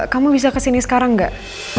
kamu bisa kesini sekarang nggak